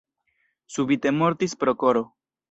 Subite mortis pro koro.